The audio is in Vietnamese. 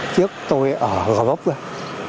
trước tôi ở gò vốc rồi